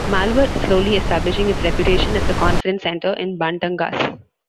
Malvar is slowly establishing its reputation as a conference center in Batangas.